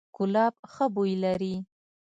ګلاب ښه بوی لري